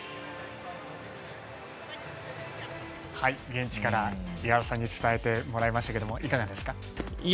現地から井原さんに伝えてもらいましたけどいかがでしたか？